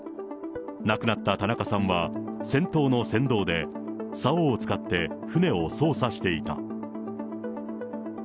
亡くなった田中さんは、先頭の船頭で、さおを使って船を操作していた。